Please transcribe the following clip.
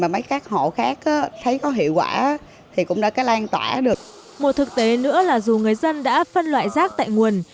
một thực tế nữa là dù người dân đã phân loại rác tại nguồn